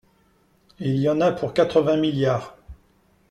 Et il y en a pour quatre-vingts milliards